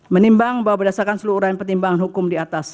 menimbang bahwa berdasarkan seluruh uraian pertimbangan hukum di atas